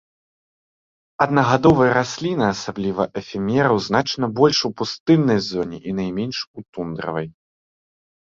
Аднагадовыя расліны, асабліва эфемераў, значна больш у пустыннай зоне і найменш у тундравай.